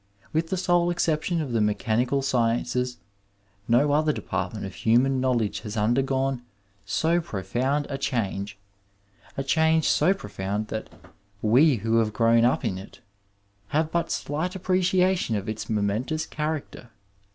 With the sole exception of the mechanical sciences, no other department of human know ledge has undergone so profound a change— a change so profound that we who have grown up in it have but slight appreciation of its momentous character.